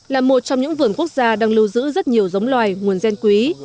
là một trong những vườn quốc gia đang lưu giữ rất nhiều giống loài nguồn gen quý